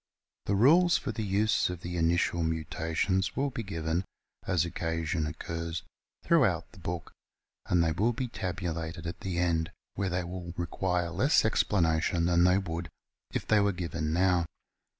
The rules for the use of the initial mutations will be given, as occasion occurs, throughout the book, and they will be tabulated at the end, where they will require less explanation than they would if they were given now.